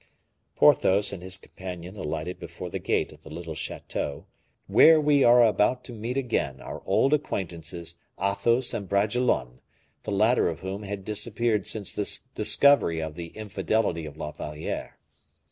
Porthos and his companion alighted before the gate of the little chateau, where we are about to meet again our old acquaintances Athos and Bragelonne, the latter of whom had disappeared since the discovery of the infidelity of La Valliere.